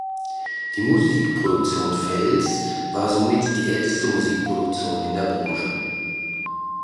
Die Musikproduktion Feltz war somit die älteste Musikproduktion in der Branche.